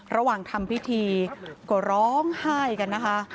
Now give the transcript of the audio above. ระหว่างทำพิธีก็ร้องไห้กันนะคะ